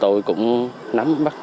tôi cũng nắm bắt